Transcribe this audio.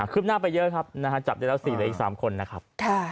คลิปหน้าไปเยอะครับนะฮะจับได้แล้วสี่แล้วอีกสามคนนะครับ